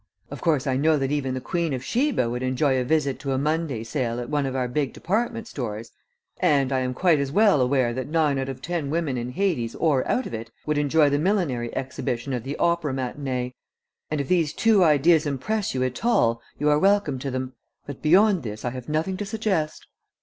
Of course I know that even the Queen of Sheba would enjoy a visit to a Monday sale at one of our big department stores, and I am quite as well aware that nine out of ten women in Hades or out of it would enjoy the millinery exhibition at the opera matinee and if these two ideas impress you at all you are welcome to them but beyond this I have nothing to suggest."